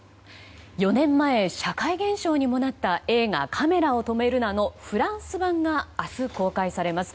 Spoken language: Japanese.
４年前、社会現象にもなった映画「カメラを止めるな！」のフランス版が明日公開されます。